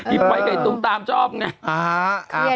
ไอ้ไฟกไตท์ตุ้งตามชอบไง